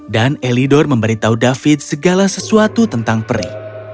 dan elidor memberitahu david segala sesuatu tentang peri